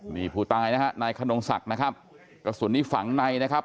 นี่ผู้ตายนะฮะนายขนงศักดิ์นะครับกระสุนนี้ฝังในนะครับ